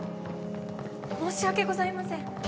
申し訳ございません！